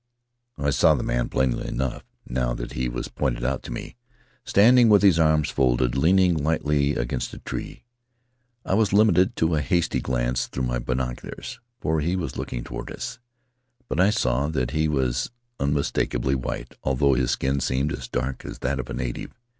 I saw the man plainly enough, now that he was pointed out to me, standing with his arms folded, lean ing lightly against a tree. I was limited to a hasty glance through my binoculars, for he was looking toward us; but I saw that he was unmistakably white, although his skin seemed as dark as that of a native.